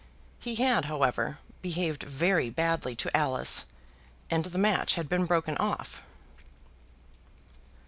He had, however, behaved very badly to Alice, and the match had been broken off.